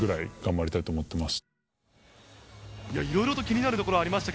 いろいろと気になるところありました